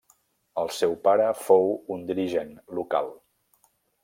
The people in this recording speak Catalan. El seu pare fou un dirigent local.